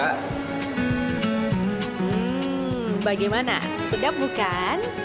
hmm bagaimana sedap bukan